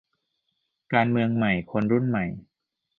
การเมืองใหม่คนรุ่นใหม่